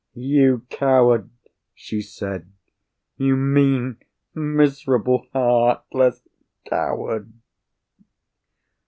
"You coward!" she said. "You mean, miserable, heartless coward!"